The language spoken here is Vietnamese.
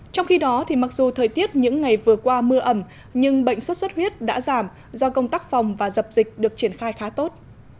trong khi đó mặc dù thời tiết những ngày vừa qua mưa ẩm nhưng bệnh xuất xuất huyết đã giảm do công tác phòng và dập dịch được triển khai khá tốt